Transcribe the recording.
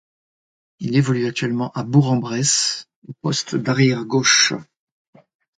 Il évolue actuellement à Bourg-en-Bresse au poste d'arrière gauche.